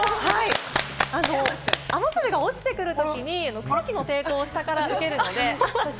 雨粒が落ちてくるときに空気の抵抗を下から受けるので。